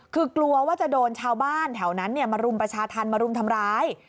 คือกลัวว่าจะโดนชาวบ้านแถวนั้นมารุมประชาธรรมมารุมทำร้าย